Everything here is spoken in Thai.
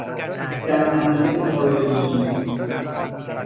การนำเทคโนโลยี